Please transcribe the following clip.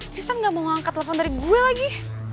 tersisa gak mau angkat telpon dari gue lagi